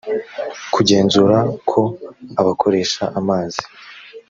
kugenzura ko abakoresha amazi